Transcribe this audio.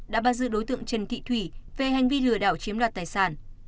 đã bắt giữ đối tượng trần thị thủy về hành vi lừa đảo chiếm đoạt tài sản